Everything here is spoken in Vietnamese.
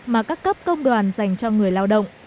mà các cấp công đoàn dành cho người lao động